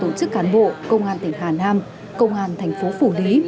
tổ chức cán bộ công an tỉnh hà nam công an thành phố phủ lý